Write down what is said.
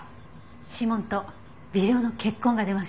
指紋と微量の血痕が出ました。